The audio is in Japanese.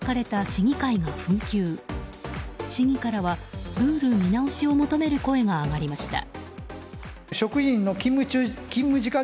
市議からはルール見直しを求める声が上がりました。